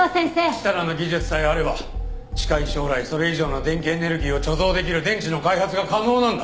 設楽の技術さえあれば近い将来それ以上の電気エネルギーを貯蔵できる電池の開発が可能なんだ。